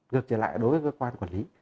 gược trở lại đối với cơ quan quản lý